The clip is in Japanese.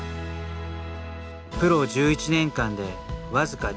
プロ１１年間で僅か１５勝。